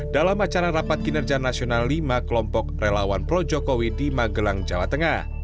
dalam acara rapat kinerja nasional lima kelompok relawan projokowi di magelang jawa tengah